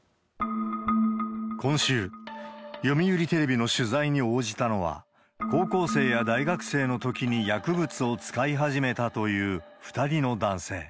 今週、読売テレビの取材に応じたのは、高校生や大学生のときに薬物を使い始めたという２人の男性。